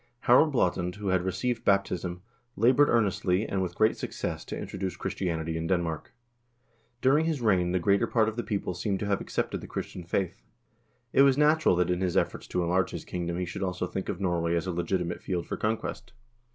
1 Harald Blaatand, who had received baptism, labored earnestly, and with great success, to introduce Christianity in Denmark. Dur ing his reign the greater part of the people seem to have accepted the Christian faith. It was natural that in his efforts to enlarge his kingdom he should also think of Norway as a legitimate field for conquest.